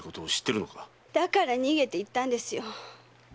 だから逃げていったんですよ。